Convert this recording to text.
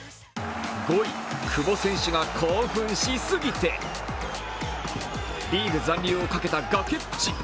５位、久保選手が興奮しすぎて、リーグ残留をかけた崖っぷち。